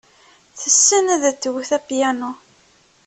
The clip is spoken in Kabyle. Tessen ad twet apyanu.